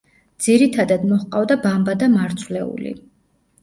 ძირითადათ მოჰყავთ ბამბა და მარცვლეული.